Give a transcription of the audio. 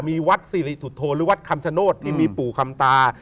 มีวัดสิริสุทธโธหรือวัดคำชโนธที่มีปู่คำตา